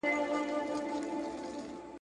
ښه اخلاق عزت راولي